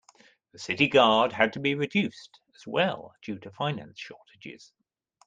The city guard had to be reduced as well due to finance shortages.